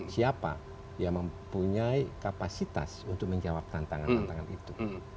siapa yang mempunyai kapasitas untuk menjawab tantangan tantangan itu